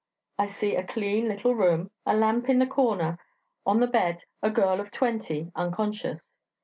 I see a clean little room, a lamp in the corner; on the bed a girl of twenty, unconscious.